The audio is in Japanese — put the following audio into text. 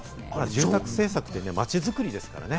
住宅政策って街作りですからね。